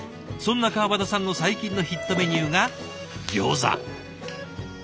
そんな川端さんの最近のヒットメニューがギョーザ。